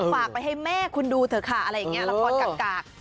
ฝากไปให้แม่คุณดูเถอะค่ะอะไรอย่างนี้ละครกาก